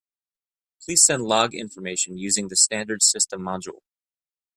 Please send log information using the standard system module.